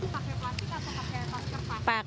pakai plastik atau pakai kertas